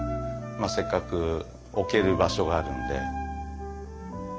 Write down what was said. まあせっかく置ける場所があるんで。